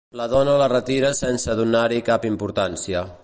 La dona la retira sense donar-hi cap importància.